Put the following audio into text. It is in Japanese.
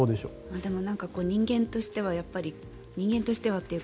でも、人間としては人間としてはっていうか